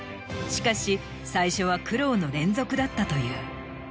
しかし最初は苦労の連続だったという。